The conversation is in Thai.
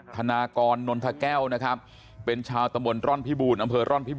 ธนากรนนทแก้วนะครับเป็นชาวตะบลร่อนพิบูรณ์